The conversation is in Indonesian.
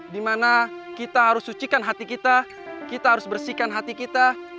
dimana kita harus sucikan hati kita kita harus bersihkan hati kita